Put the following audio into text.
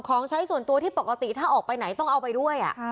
ของใช้ส่วนตัวที่ปกติถ้าออกไปไหนต้องเอาไปด้วย